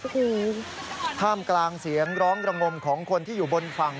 โอ้โหท่ามกลางเสียงร้องระงมของคนที่อยู่บนฝั่ง